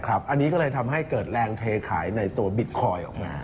อันนี้ก็เลยทำให้เกิดแรงเทขายในตัวบิตคอยน์ออกมา